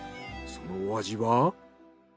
そのお味は？